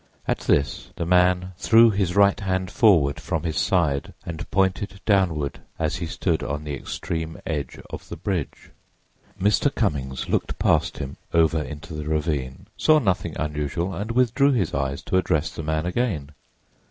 At this the man threw his right hand forward from his side and pointed downward as he stood on the extreme edge of the bridge. Mr. Cummings looked past him, over into the ravine, saw nothing unusual and withdrew his eyes to address the man again.